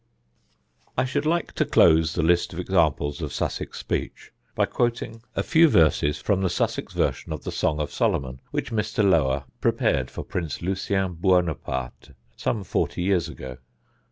I should like to close the list of examples of Sussex speech by quoting a few verses from the Sussex version of the "Song of Solomon," which Mr. Lower prepared for Prince Lucien Buonaparte some forty years ago.